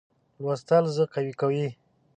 لوستل زه قوي کوي.